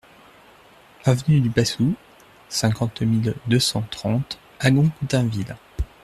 Avenue du Passous, cinquante mille deux cent trente Agon-Coutainville